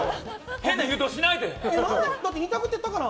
変な誘導しないで。